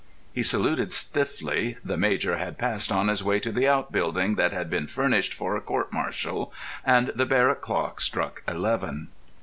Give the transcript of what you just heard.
He saluted stiffly; the major had passed on his way to the outbuilding that had been furnished for a court martial; and the barrack clock struck eleven.